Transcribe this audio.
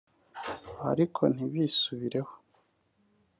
ariko ntibisubireho